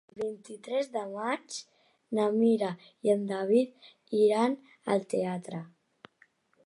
El vint-i-tres de maig na Mira i en David iran al teatre.